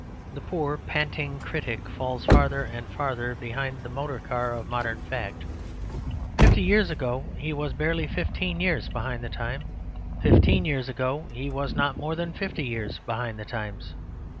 The poor panting critic falls farther and farther behind the motor car of modern fact. Fifty years ago he was barely fifteen years behind the times. Fifteen years ago he was not more than fifty years behind the times.